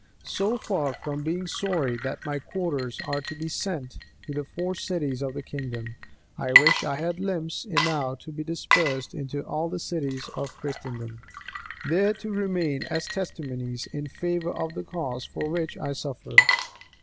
So far from being sorry that my quarters are to be sent to four cities of the kingdom, I wish I had limbs enow to be dispersed into all the cities of Christendom, there to remain as testimonies in favor of the cause for which I suffer."